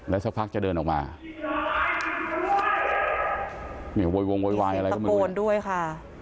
แล้วสักพักจะเดินออกมาเนี้ยโวยวงโวยวายอะไรก็ไม่มีมีสิบกระโกนด้วยค่ะ